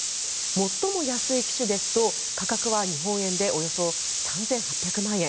最も安い機種ですと、価格は日本円でおよそ３８００万円。